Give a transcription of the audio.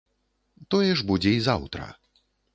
Тое ж будзе і заўтра.